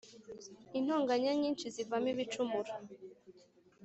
inonganya nyinshizivamo ibicumuro